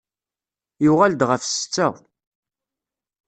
Yuɣal-d ɣef setta.